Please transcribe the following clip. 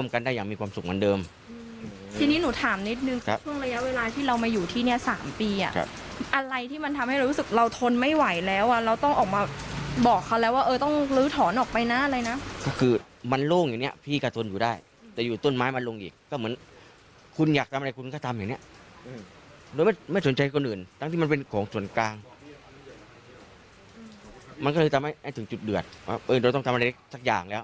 มันก็เลยทำให้ถึงจุดเดือดว่าเราต้องทำอะไรสักอย่างแล้ว